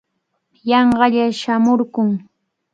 Yanqalla shamurquu.